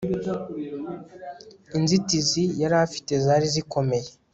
Inzitizi yari afite zari zikomeye